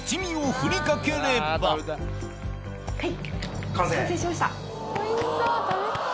はい。